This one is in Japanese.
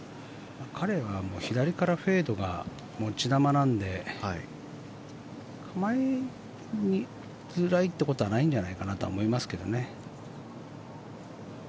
彼は左からフェードが持ち球なので構えづらいということはないんじゃないかと思いますけどね。